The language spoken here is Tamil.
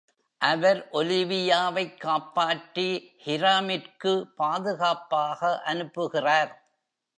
அவர் Olivia வைக் காப்பாற்றி, ஹிராமிற்கு பாதுகாப்பாக அனுப்புகிறார்.